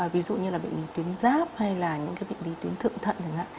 ví dụ như là bệnh lý tuyến giáp hay là những cái bệnh lý tuyến thượng thận